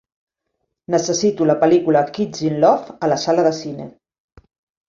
Necessito la pel·lícula "Kids in Love" a la sala de cine.